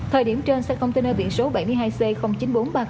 thời điểm trên xe container biển số bảy mươi hai c chín nghìn bốn trăm ba mươi